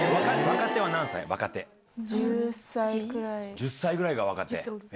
１０歳ぐらいが若手。